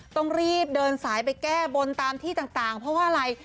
ต้องรีบเดินสายไปแก้บนตามที่ต่างเพราะว่าอะไร